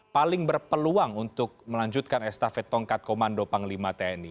paling berpeluang untuk melanjutkan estafetongkat komando panglima tni